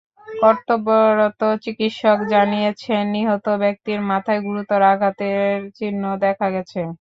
কর্তব্যরত চিকিৎসক জানিয়েছেন, নিহত ব্যক্তির মাথায় গুরুতর আঘাতের চিহ্ন দেখা গেছে।